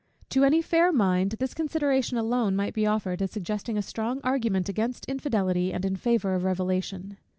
To any fair mind this consideration alone might be offered, as suggesting a strong argument against infidelity, and in favour of Revelation.